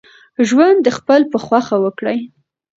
ژوند دخپل په خوښه وکړئ